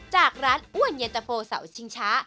จากร้านอ้วนเย็นตะโฟเสาชิงช้า